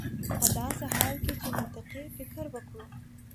په داسې حال کې چې که منطقي فکر وکړو